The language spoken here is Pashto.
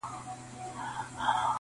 خدایه ما خپل وطن ته بوزې-